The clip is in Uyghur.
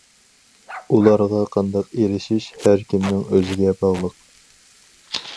ئۇلارغا قانداق ئېرىشىش ھەركىمنىڭ ئۆزىگە باغلىق.